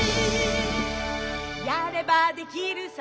「やればできるさ